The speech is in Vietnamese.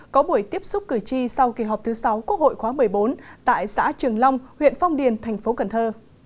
có buổi tiếp xúc cử tri sau kỳ họp thứ sáu quốc hội khóa một mươi bốn tại xã trường long huyện phong điền thành phố cần thơ